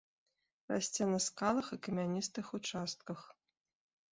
Расце на скалах і камяністых участках.